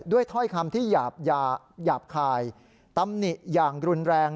ถ้อยคำที่หยาบคายตำหนิอย่างรุนแรง